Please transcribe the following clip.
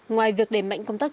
ngoài việc để mạnh công tác